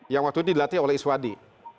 yang waktu itu dilatih oleh iswadi